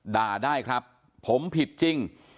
ด่าได้ครับผมผิดจริง